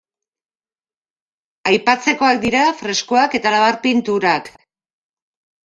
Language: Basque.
Aipatzekoak dira freskoak eta labar-pinturak.